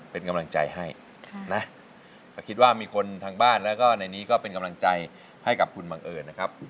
เป็นกำลังใจให้นะถ้าคิดว่ามีคนทางบ้านแล้วก็ในนี้ก็เป็นกำลังใจให้กับคุณบังเอิญนะครับ